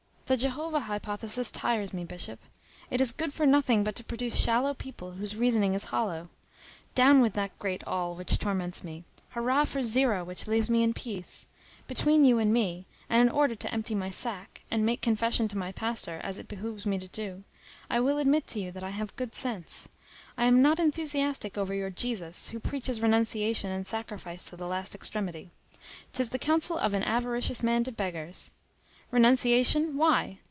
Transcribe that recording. The Jehovah hypothesis tires me, Bishop. It is good for nothing but to produce shallow people, whose reasoning is hollow. Down with that great All, which torments me! Hurrah for Zero which leaves me in peace! Between you and me, and in order to empty my sack, and make confession to my pastor, as it behooves me to do, I will admit to you that I have good sense. I am not enthusiastic over your Jesus, who preaches renunciation and sacrifice to the last extremity. 'Tis the counsel of an avaricious man to beggars. Renunciation; why?